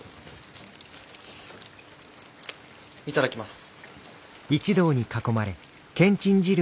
頂きます。